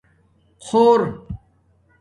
خݸر